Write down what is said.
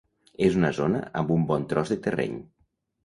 És una zona amb un bon tros de terreny.